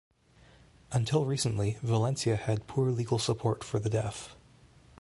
Until recently, Valencia had poor legal support for the Deaf.